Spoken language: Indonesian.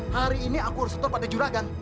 hari ini aku harus setor pada juragan